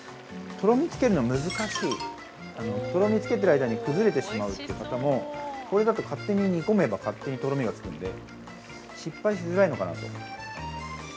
とろみつけるの難しい、とろみつけてる間に崩れてしまうという方も、これだと勝手に煮込めば勝手にとろみがつくので失敗しづらいのかなと。